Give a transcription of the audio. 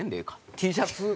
Ｔシャツ。